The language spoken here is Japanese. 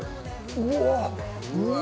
うわうわー！